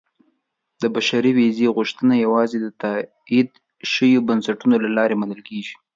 • د بشري ویزې غوښتنه یوازې د تایید شویو بنسټونو له لارې منل کېږي.